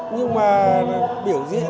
nhưng mà biểu diễn